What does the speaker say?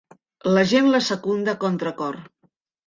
La gent la secunda a contracor.